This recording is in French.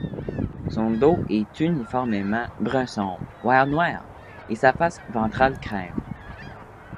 Son dos est uniformément brun sombre, voire noir, et sa face ventrale crème.